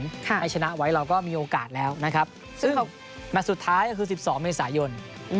ให้ชนะไว้เราก็มีโอกาสแล้วนะครับซึ่งแมทสุดท้ายก็คือ๑๒เมษายน